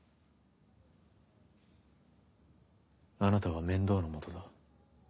あなたは面倒の元だ。